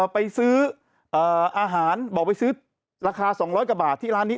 ไปซื้ออาหารบอกไปซื้อราคา๒๐๐กว่าบาทที่ร้านนี้